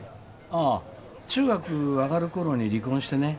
ああ中学あがる頃に離婚してね